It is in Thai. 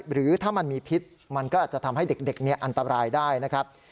หรือถ้ามันมีพิษมันก็อาจจะทำให้เด็กอันตรายได้นะครับ